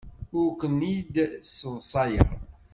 Ur ken-id-sseḍsayeɣ.